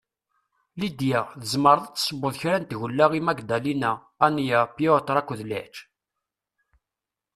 Lidia, tezemreḍ ad tessewweḍ kra n tgella i Magdalena, Ania, Piotr akked Lech?